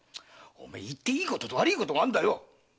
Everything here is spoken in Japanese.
言っていいことと悪いことがあるんだよ！